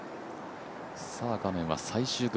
画面は最終組。